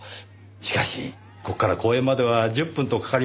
しかしここから公園までは１０分とかかりません。